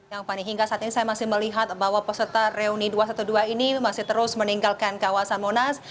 yang fani hingga saat ini saya masih melihat bahwa peserta reuni dua ratus dua belas ini masih terus meninggalkan kawasan monas